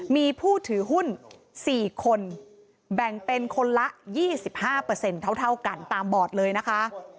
มีผู้ถือหุ้น๔คนแบ่งเป็นคนละ๒๕เท่ากันตามบอร์ดเลยนะคะ